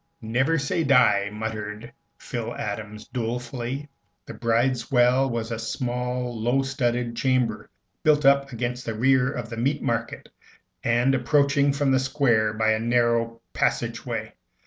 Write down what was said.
"Never say die," muttered Phil Adams, dolefully. The bridewell was a small low studded chamber built up against the rear end of the Meat Market, and approached from the Square by a narrow passage way.